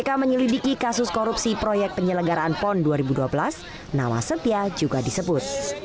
ketika menyelidiki kasus korupsi proyek penyelenggaraan pon dua ribu dua belas nama setia juga disebut